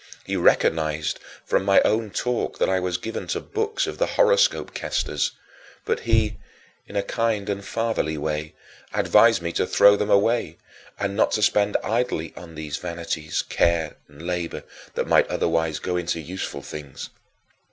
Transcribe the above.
He recognized from my own talk that I was given to books of the horoscope casters, but he, in a kind and fatherly way, advised me to throw them away and not to spend idly on these vanities care and labor that might otherwise go into useful things.